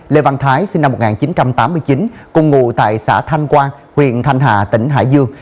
lê văn thái sinh năm một nghìn chín trăm tám mươi chín cùng ngụ tại xã thanh quang huyện thanh hà tỉnh hải dương